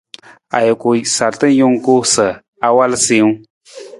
Ajuku sarta jungku sa awal siiwung.